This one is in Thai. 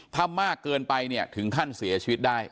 ถ้ามากเกินไปเนี่ยถึงขั้นเสียชีวิตได้